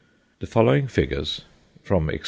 The following figures (from Exp.